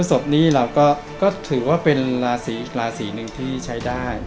ศพนี้เราก็ถือว่าเป็นราศีอีกราศีหนึ่งที่ใช้ได้